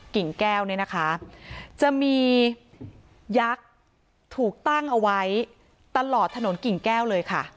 กิ่งแก้วเนี่ยนะคะจะมียักษ์ถูกตั้งเอาไว้ตลอดถนนกิ่งแก้วเลยค่ะ